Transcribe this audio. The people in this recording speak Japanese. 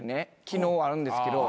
機能あるんですけど。